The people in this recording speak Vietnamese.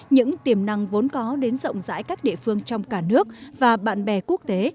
những tiềm năng vốn có đến rộng rãi các địa phương trong cả nước và bạn bè quốc tế